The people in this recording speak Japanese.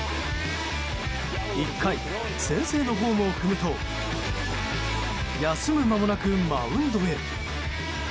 １回、先制のホームを踏むと休む間もなくマウンドへ。